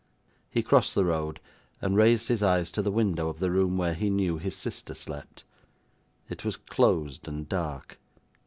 He crossed the road, and raised his eyes to the window of the room where he knew his sister slept. It was closed and dark.